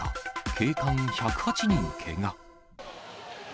警官１０８人けが。